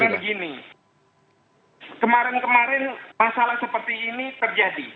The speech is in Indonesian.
karena begini kemarin kemarin masalah seperti ini terjadi